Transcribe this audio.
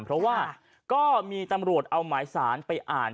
เพราะว่าก็มีตำรวจเอาหมายสารไปอ่าน